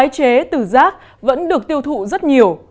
những hộp xốp cốc nhựa này được tái chế từ rác vẫn được tiêu thụ rất nhiều